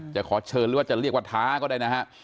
จะขอเชิญหรือว่าจะเรียกว่าท้าก็ได้นะฮะ